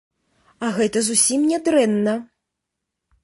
А гэта зусім не дрэнна!